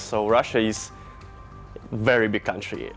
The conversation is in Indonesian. jadi rusia adalah negara yang sangat besar